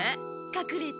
かくれて。